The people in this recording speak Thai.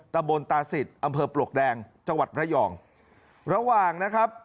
ตะบนตาศิษย์อำเภอปลวกแดงจังหวัดระยองระหว่างนะครับ